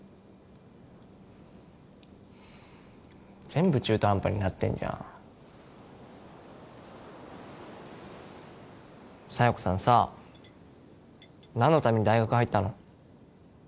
全部中途半端になってんじゃん佐弥子さんさあ何のために大学入ったの？